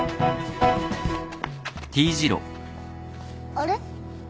あれ？